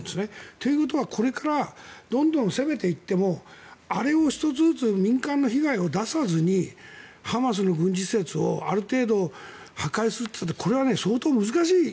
ということはどんどん攻めていってもあれを１つずつ民間の被害を出さずにハマスの軍事施設をある程度破壊するっていうのはこれは相当難しい。